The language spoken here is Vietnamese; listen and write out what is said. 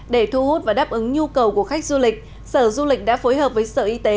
để thu hút và đáp ứng nhu cầu của khách du lịch sở du lịch đã phối hợp với sở y tế